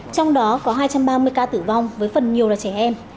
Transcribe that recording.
trong đó có hai trăm ba mươi ca tử vong với phần nhiều là trẻ em